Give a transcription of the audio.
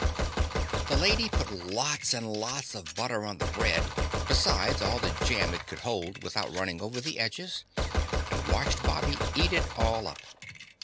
The lady put lots and lots of butter on the bread, besides all the jam it could hold without running over the edges, and watched Bobby eat it all up.